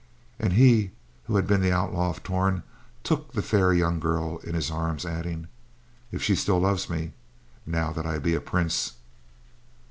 And he who had been the Outlaw of Torn took the fair young girl in his arms, adding: "If she still loves me, now that I be a prince?"